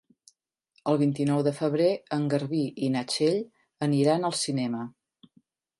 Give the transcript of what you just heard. El vint-i-nou de febrer en Garbí i na Txell aniran al cinema.